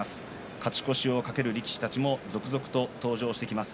勝ち越しを懸ける力士たちも続々と登場してきます。